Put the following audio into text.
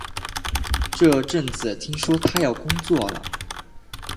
这阵子听说他要工作了